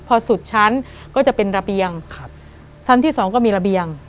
พอสุดชั้นก็จะเป็นระเบียงครับชั้นที่สองก็มีระเบียง